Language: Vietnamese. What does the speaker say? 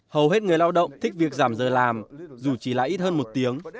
hầu hết người lao động thích việc giảm giờ làm dù chỉ là ít hơn một tiếng